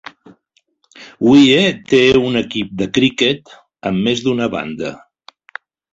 Wye té un equip de criquet amb més d'una banda.